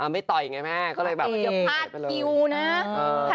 ไม่ต่อยไงแม่ก็เลยแบบอย่าพลาดพิวนะ